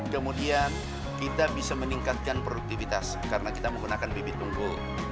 kemudian kita bisa meningkatkan produktivitas karena kita menggunakan bibit unggul